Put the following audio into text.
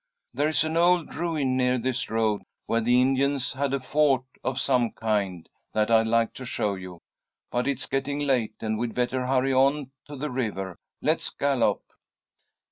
"There is an old ruin near this road, where the Indians had a fort of some kind, that I'd like to show you, but it's getting late, and we'd better hurry on to the river. Let's gallop."